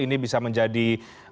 ini bisa menjadi